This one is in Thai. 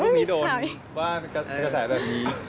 ลุ้มนี้โดนว่าใส่แบบนี้